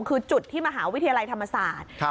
คือจุดที่มหาวิทยาลัยธรรมศาสตร์